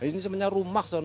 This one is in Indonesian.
ini sebenarnya rumah sono